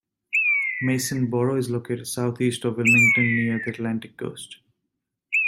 Masonboro is located southeast of Wilmington near the Atlantic coast.